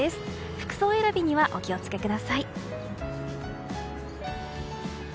服装選びにはお気を付けください。